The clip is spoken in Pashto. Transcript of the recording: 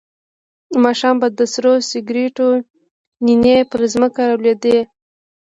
ماښام به د سرو سکروټو نینې پر ځمکه را لوېدې.